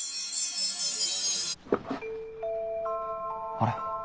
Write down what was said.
あれ？